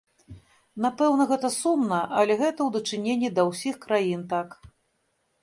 Напэўна, гэта сумна, але гэта ў дачыненні да ўсіх краін так.